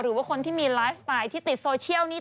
หรือว่าคนที่มีไลฟ์สไตล์ที่ติดโซเชียลนี้